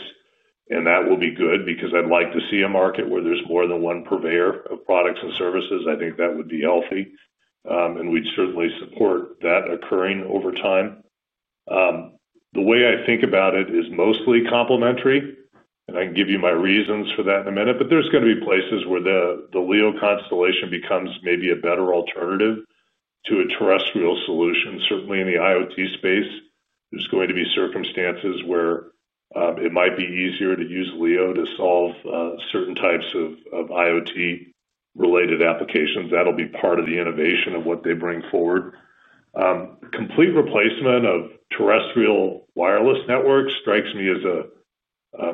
That will be good because I'd like to see a market where there's more than one purveyor of products and services. I think that would be healthy. We'd certainly support that occurring over time. The way I think about it is mostly complementary. I can give you my reasons for that in a minute. There's going to be places where the LEO constellation becomes maybe a better alternative to a terrestrial solution. Certainly, in the IoT space, there's going to be circumstances where it might be easier to use LEO to solve certain types of IoT-related applications. That'll be part of the innovation of what they bring forward. Complete replacement of terrestrial wireless networks strikes me as a,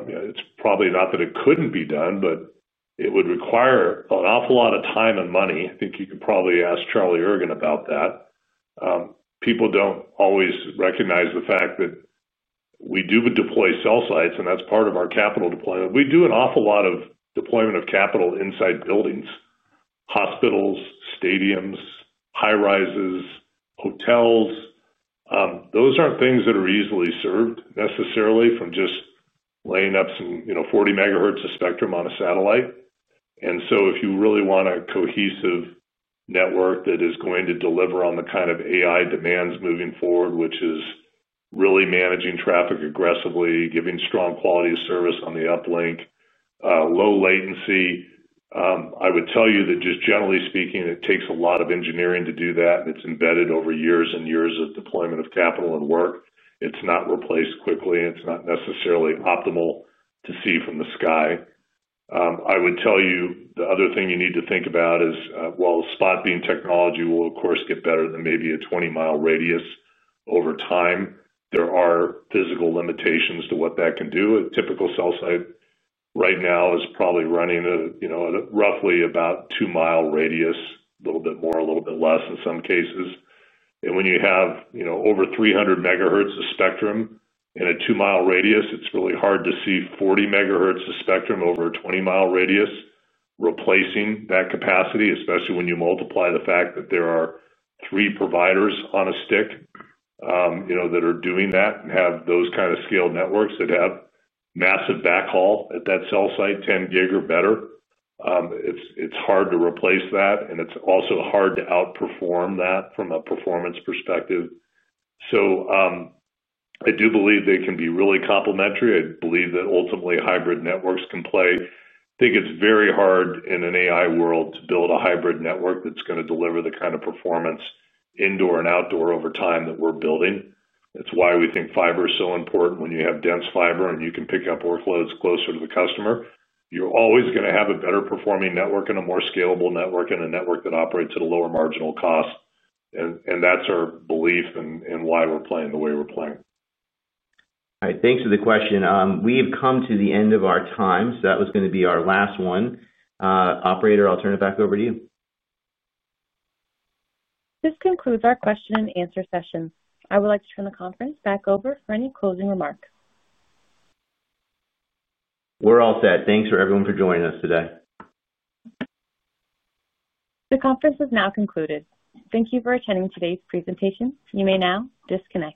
you know, it's probably not that it couldn't be done, but it would require an awful lot of time and money. I think you could probably ask Charlie Ergen about that. People don't always recognize the fact that we do deploy cell sites, and that's part of our capital deployment. We do an awful lot of deployment of capital inside buildings: hospitals, stadiums, high-rises, hotels. Those aren't things that are easily served necessarily from just laying up some, you know, 40 MHz of spectrum on a satellite. If you really want a cohesive network that is going to deliver on the kind of AI demands moving forward, which is really managing traffic aggressively, giving strong quality of service on the uplink, low latency, I would tell you that just generally speaking, it takes a lot of engineering to do that. It's embedded over years and years of deployment of capital and work. It's not replaced quickly, and it's not necessarily optimal to see from the sky. I would tell you the other thing you need to think about is while spot beam technology will, of course, get better than maybe a 20-mile radius over time, there are physical limitations to what that can do. A typical cell site right now is probably running at, you know, roughly about a two-mile radius, a little bit more, a little bit less in some cases. When you have, you know, over 300 MHz of spectrum in a two-mile radius, it's really hard to see 40 MHz of spectrum over a 20-mile radius replacing that capacity, especially when you multiply the fact that there are three providers on a stick, you know, that are doing that and have those kind of scaled networks that have massive backhaul at that cell site, 10 gig or better. It's hard to replace that, and it's also hard to outperform that from a performance perspective. I do believe they can be really complementary. I believe that ultimately hybrid networks can play. I think it's very hard in an AI world to build a hybrid network that's going to deliver the kind of performance indoor and outdoor over time that we're building. That's why we think fiber is so important. When you have dense fiber and you can pick up workloads closer to the customer, you're always going to have a better-performing network and a more scalable network and a network that operates at a lower marginal cost. That's our belief in why we're playing the way we're playing. All right. Thanks for the question. We have come to the end of our time. That was going to be our last one. Operator, I'll turn it back over to you. This concludes our question and answer session. I would like to turn the conference back over for any closing remarks. We're all set. Thanks everyone for joining us today. The conference is now concluded. Thank you for attending today's presentation. You may now disconnect.